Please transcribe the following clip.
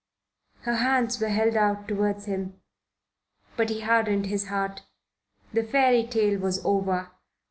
Her hands were held out towards him. But he hardened his heart. The fairy tale was over.